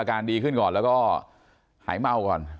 อาการดีขึ้นก่อนแล้วก็หายเมาก่อน